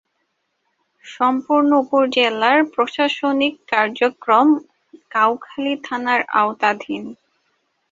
সম্পূর্ণ উপজেলার প্রশাসনিক কার্যক্রম কাউখালী থানার আওতাধীন।